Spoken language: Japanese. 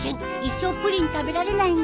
一生プリン食べられないんだ。